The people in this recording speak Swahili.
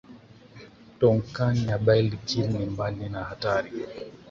toucan ya billed keel ni mbali na hatari